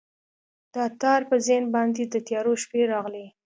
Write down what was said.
د تار په ذهن باندې، د تیارو شپې راغلي